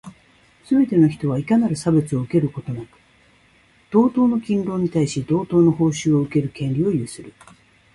すべて人は、いかなる差別をも受けることなく、同等の勤労に対し、同等の報酬を受ける権利を有する。